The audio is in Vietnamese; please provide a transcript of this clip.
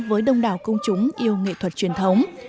với đông đảo công chúng yêu nghệ thuật truyền thống